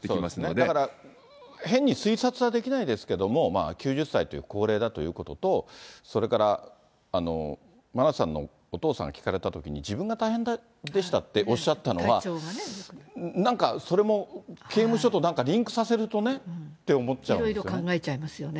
だから、変に推察はできないですけれども、９０歳という高齢だということと、それから真菜さんのお父さんが聞かれたときに、自分が大変でしたっておっしゃったのは、なんか、それも刑務所となんかリンクさせるとねって思っちゃうんですよね。